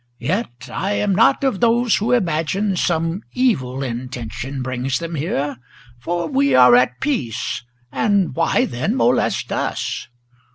Yet am I not of those who imagine some evil intention Brings them here, for we are at peace; and why then molest us?"